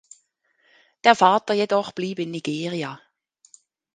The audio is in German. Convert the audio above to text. Der Vater jedoch blieb in Nigeria.